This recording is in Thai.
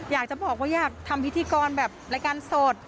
อยากจะบอกว่าอยากทำพิธีกรแบบรายการสด